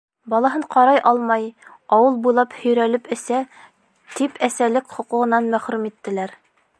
Балаһын ҡарай алмай, ауыл буйлап һөйрәлеп эсә, тип әсәлек хоҡуғынан мәхрүм иттеләр.